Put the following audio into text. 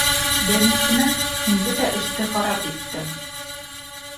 Беренсенән, һин бөтә эште харап иттең.